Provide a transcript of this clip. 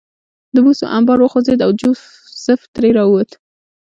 د بوسو انبار وخوځېد او جوزف ترې راووت